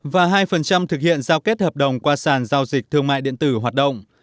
và hai thực hiện giao kết hợp đồng qua sàn giao dịch thương mại điện tử hoạt động